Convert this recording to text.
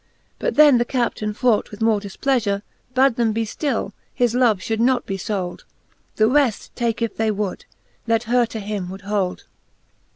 But then the Captaine, fraught with more difpleafure. Bad them be ft ill, his love fhould not be fold : The reft take, if they would, he her to him would hold.